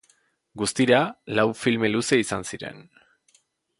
Guztira, lau film luze izan ziren.